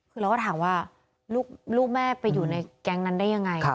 คือเราก็ถามว่าลูกแม่ไปอยู่ในแก๊งนั้นได้ยังไง